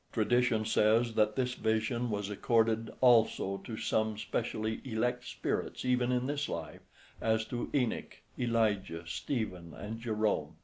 Tradition says that this vision was accorded also to some specially elect spirits even in this life, as to Enoch, Elijah, Stephen, and Jerome.